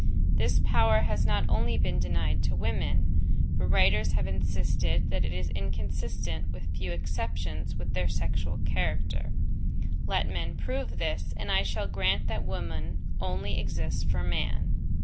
This power has not only been denied to women; but writers have insisted that it is inconsistent, with a few exceptions, with their sexual character. Let men prove this, and I shall grant that woman only exists for man.